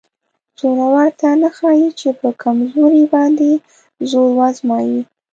زورور ته نه ښایي چې په کمزوري باندې زور وازمایي.